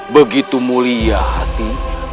begitu mulia hati